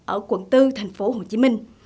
ở quận bốn thành phố hồ chí minh